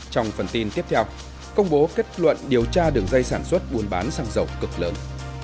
trong phần tin tiếp theo công bố kết luận điều tra đường dây sản xuất buôn bán xăng dầu cực lớn